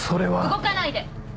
動かないで！